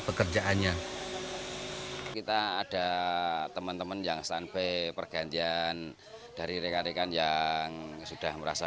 pekerjaannya kita ada teman teman yang standby pergantian dari rekan rekan yang sudah merasa